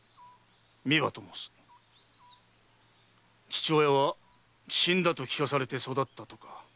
父親は死んだと聞かされて育ったとか。